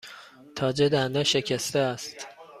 تاج دندان شکسته است.